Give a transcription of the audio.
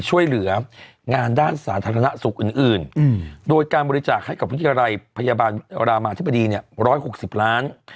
ช่วยเหลืองานด้านสาธารณสุขอื่นโดยการบริจาคให้กับวิทยาลัยพยาบาลรามาธิบดีเนี่ย๑๖๐ล้าน